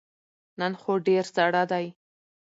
نن خو ډیر ساړه دی